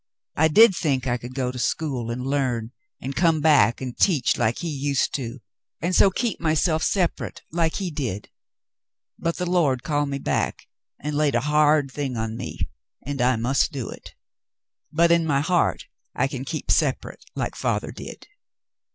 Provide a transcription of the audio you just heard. I did think I could go to school and learn and come back and teach like he used to, a^id so keep myself separate like he did, but the Lord called me back and laid a hard thing on me, and I must do it. But in my heart I can keep separate like father did."